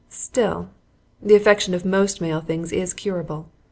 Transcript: Still, the affection of most male things is curable.